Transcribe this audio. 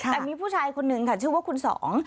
แต่มีผู้ชายคนหนึ่งค่ะชื่อว่าคุณสอง